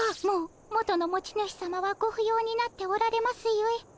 もう元の持ち主さまはごふようになっておられますゆえ。